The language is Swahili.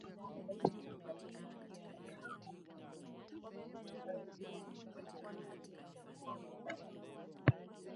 kuwapa wataalam hawa malipo ya kazi za ziada likizo na motisha Waandishi wa habari